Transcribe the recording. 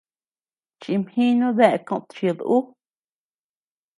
Chimjinu dae kochid ú.